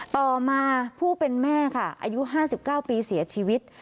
ต่อมาผู้เป็นแม่ค่ะอายุ๕๙ปีเสียชีวิต